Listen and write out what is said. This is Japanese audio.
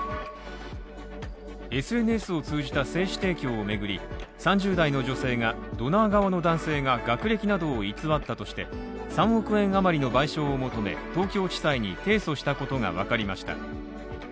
ＳＮＳを通じた精子提供を巡り、３０代の女性が、ドナー側の男性が学歴などを偽ったとして３億円余りの賠償を求め東京地裁に提訴したことがわかりました。